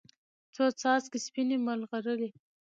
څو څاڅکي سپینې، مرغلرې